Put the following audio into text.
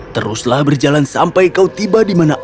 teruslah berjalan sampai kau tiba di mana ada batu